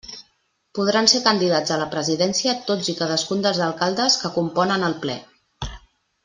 Podran ser candidats a la Presidència tots i cadascun dels alcaldes que componen el Ple.